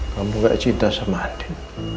kamu gak cinta sama adik